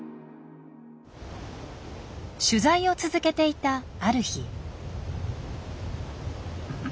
取材を続けていたある日。